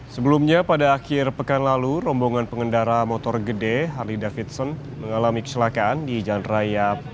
sebelumnya pada akhir pekan lalu rombongan pengendara motor gede harley davidson mengalami kecelakaan di jalan raya